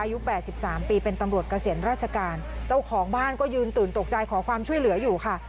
แปดสิบสามปีเป็นตำรวจเกษียณราชการเจ้าของบ้านก็ยืนตื่นตกใจขอความช่วยเหลืออยู่ค่ะ